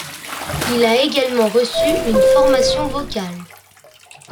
Il a également reçu une formation vocale.